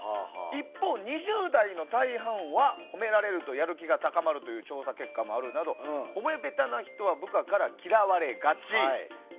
一方、２０代の大半は褒められるとやる気が高まるという調査結果があるなど褒め下手な人は部下から嫌われがち。